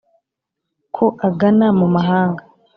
Ko agana mu mahanga